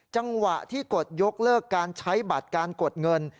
จังหวะที่กดยกเลิกการใช้บัตรการกดเงิน